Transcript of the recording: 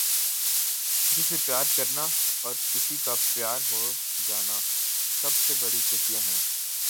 کسی سے پیار کرنا اور کسی کا پیار ہو جانا سب سے بڑی خوشیاں ہیں۔